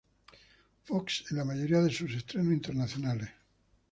Fox" en la mayoría de sus estrenos internacionales.